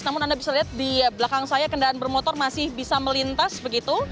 namun anda bisa lihat di belakang saya kendaraan bermotor masih bisa melintas begitu